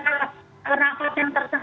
kita bisa mengakses pemerintah